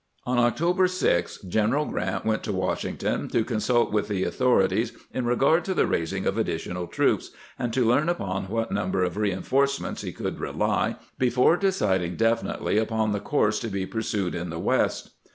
" On October 6 General Grant went to Washington to consult with the authorities in regard to the raising of additional troops, and to learn upon what number of reinforcements he could rely before deciding definitely HOW THE MARCH TO THE SEA WAS CONCEIVED 317 upon, the course to be pursued in tlie "West.